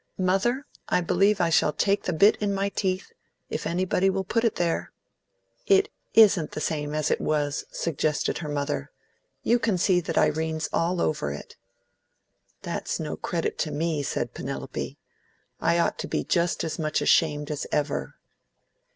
Mother, I believe I shall take the bit in my teeth if anybody will put it there!" "It isn't the same as it was," suggested her mother. "You can see that Irene's all over it." "That's no credit to me," said Penelope. "I ought to be just as much ashamed as ever."